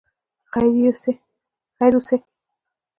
خیر اوسې.